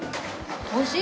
おいしい？